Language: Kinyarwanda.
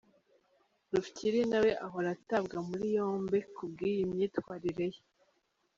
Rufyiri nawe ahora atabwa muri yombi ku bw’iyi myitwarire ye.